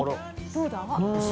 どうだ？